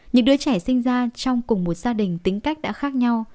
những đứa trẻ sinh ra trong cùng một gia đình tính cách đã khác nhau